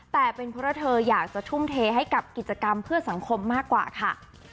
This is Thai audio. แต่เป็นเพราะเธออยากจะทุ่มเทให้กับกิจกรรมเพื่อสังคมมากกว่าค่ะ